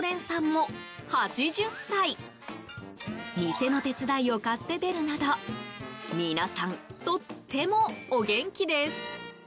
店の手伝いを買って出るなど皆さん、とってもお元気です。